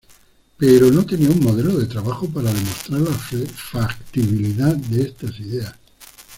Pero no tenía un modelo de trabajo para demostrar la factibilidad de estas ideas.